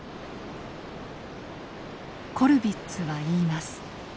コルヴィッツは言います。